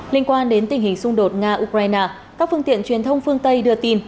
liên quan đến tình hình xung đột nga ukraine các phương tiện truyền thông phương tây đưa tin